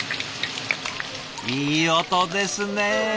いい音ですね。